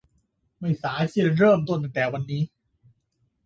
ไม่สายที่จะเริ่มต้นตั้งแต่วันนี้